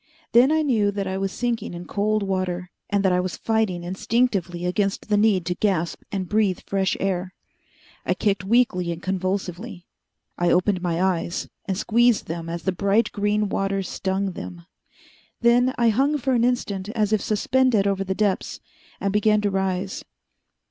Then I knew that I was sinking in cold water, and that I was fighting instinctively against the need to gasp and breathe fresh air. I kicked weakly and convulsively. I opened my eyes, and squeezed them as the bright green water stung them. Then I hung for an instant as if suspended over the depths, and began to rise.